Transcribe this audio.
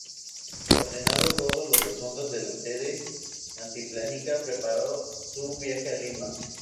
Ordenado todos los asuntos de la sede altiplánica, preparó su viaje a Lima.